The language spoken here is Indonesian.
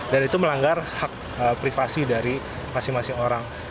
dan itu melanggar hak privasi dari masing masing orang